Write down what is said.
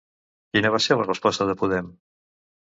Quina va ser la resposta de Podem?